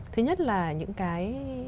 thứ nhất là những cái